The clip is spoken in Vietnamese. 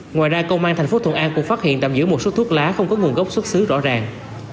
ngoài ra công an thành phố thuận an cũng phát hiện tạm giữ một số thuốc lá không có nguồn gốc xuất xứ rõ ràng